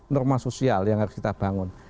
norma sosial yang harus kita bangun